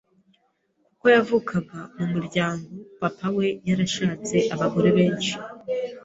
kuko yavukaga mu muryango Papa we yarashatse abagore benshi